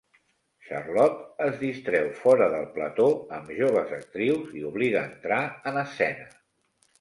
Charlot es distreu fora del plató amb joves actrius i oblida entrar en escena.